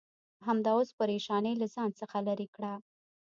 همدا اوس پرېشانۍ له ځان څخه لرې کړه.